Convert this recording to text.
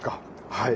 はい。